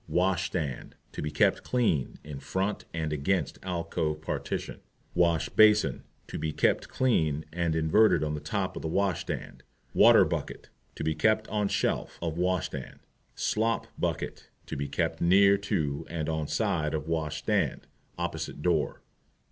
WASH STAND To be kept clean, in front and against alcove partition. WASH BASIN To be kept clean, and inverted on the top of the Wash stand. WATER BUCKET To be kept on shelf of wash stand. SLOP BUCKET To be kept near to and on side of Wash stand, opposite door.